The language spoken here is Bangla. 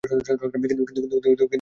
কিন্তু, আমার মনে কোনো খেদ নেই।